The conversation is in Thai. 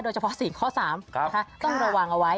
เฉพาะ๔ข้อ๓ต้องระวังเอาไว้